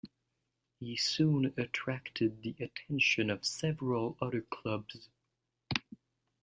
He soon attracted the attention of several other clubs.